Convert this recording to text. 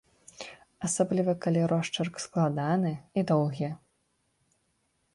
Асабліва калі росчырк складаны і доўгі.